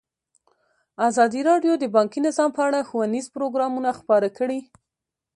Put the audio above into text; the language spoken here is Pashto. ازادي راډیو د بانکي نظام په اړه ښوونیز پروګرامونه خپاره کړي.